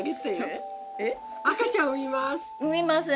赤ちゃん産みます。